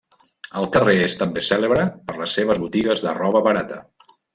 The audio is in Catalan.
El carrer és també cèlebre per les seves botigues de roba barata.